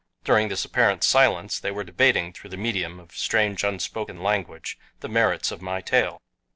During this apparent silence they were debating through the medium of strange, unspoken language the merits of my tale.